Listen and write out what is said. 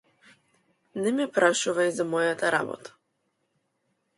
Не ме прашувај за мојата работа.